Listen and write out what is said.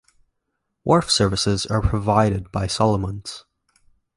Wharf services are provided by Solomons.